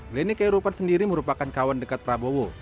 bleni koyurupan sendiri merupakan kawan dekat prabowo